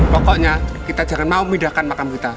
pokoknya kita jangan mau memindahkan makam kita